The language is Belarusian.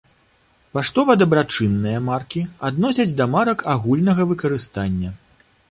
Паштова-дабрачынныя маркі адносяць да марак агульнага выкарыстання.